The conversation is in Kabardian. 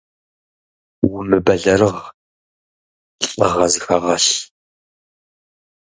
Умыбэлэрыгъ, лӏыгъэ зыхэгъэлъ!